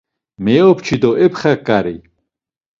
Meyopçi do epxaǩari.